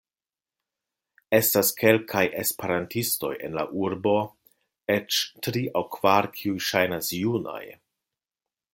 Estas kelkaj Esperantistoj en la urbo, eĉ tri aŭ kvar kiuj ŝajnas junaj.